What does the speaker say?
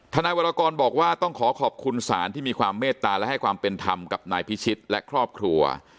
นายวรกรบอกว่าต้องขอขอบคุณศาลที่มีความเมตตาและให้ความเป็นธรรมกับนายพิชิตและครอบครัว